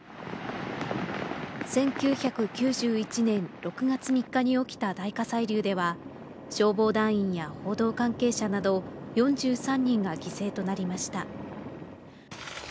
１９９１年６月３日に起きた大火砕流では、消防団員や報道関係者など４３人が犠牲となりました。